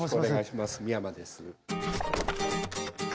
美山です。